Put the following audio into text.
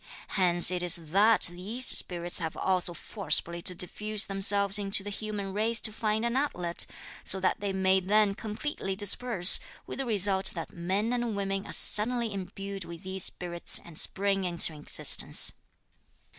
Hence it is that these spirits have also forcibly to diffuse themselves into the human race to find an outlet, so that they may then completely disperse, with the result that men and women are suddenly imbued with these spirits and spring into existence.